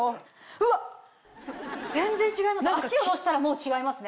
うわっ全然違います。